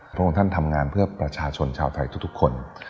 พระองค์ท่านทำงานเพื่อประชาชนชาวไทยทุกคน